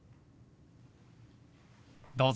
どうぞ。